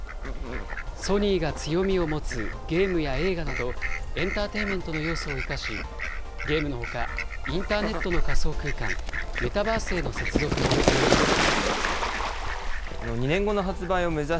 ソニーが強みを持つゲームや映画など、エンターテインメントの要素を生かし、ゲームのほかインターネットの仮想空間、メタバースへの接続も可能になっています。